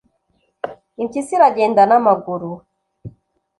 impyisi iragenda n'amaguru